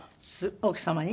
奥様に？